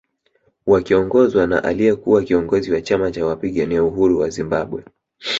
Wakiongozwa na aliyekuwa kiongozi wa chama cha wapigania uhuru wa Zimbabwe